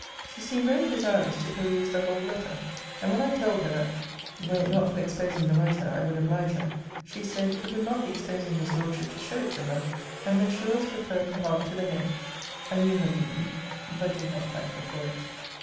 She seemed very desirous to peruse the whole letter. And when I told her, that, were it not for exposing the writer, I would oblige her, she said, it would not be exposing his Lordship to show it to her; and that she always preferred the heart to the head. I knew her meaning; but did not thank her for it.